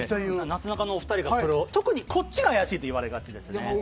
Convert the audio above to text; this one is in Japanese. なすなかのお二人が、特にこっちが怪しいと言われがちですね。